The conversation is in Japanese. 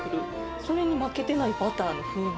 それに負けてないバターの風味。